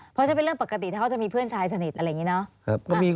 เพราะฉันเป็นเรื่องปกติถ้าเขาจะมีเพื่อนชายสนิทอะไรอย่างนี้เนาะ